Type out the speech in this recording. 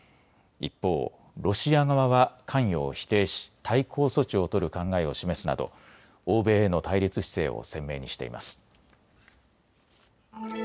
一方、ロシア側は関与を否定し対抗措置を取る考えを示すなど欧米への対立姿勢を鮮明にしています。